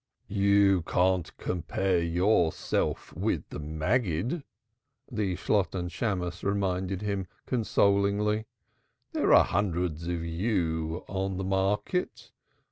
"You can't compare yourself with the Maggid" the Shalotten Shammos reminded him consolingly. "There are hundreds of you in the market.